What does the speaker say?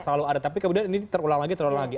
selalu ada tapi kemudian ini terulang lagi